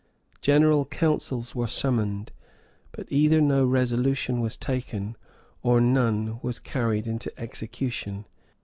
General councils were summoned; but either no resolution was taken, or none was carried into execution.